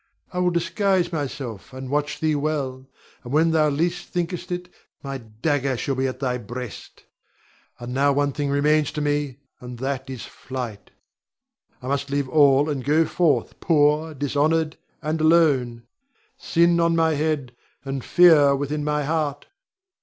I will disguise myself, and watch thee well, and when least thou thinkest it, my dagger shall be at thy breast. And now one thing remains to me, and that is flight. I must leave all and go forth poor, dishonored, and alone; sin on my head, and fear within my heart.